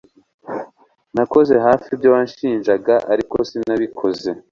Nakoze hafi ibyo wanshinjaga ariko sinabikoze